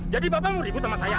jadi bapak mau ribut sama saya